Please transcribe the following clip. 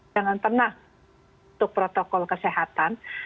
jangan pernah untuk protokol kesehatan